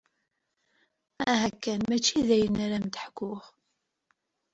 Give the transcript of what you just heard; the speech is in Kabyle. Aha kan! Mačči d ayen ara am-d-ḥkuɣ.